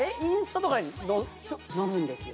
載るんですよ。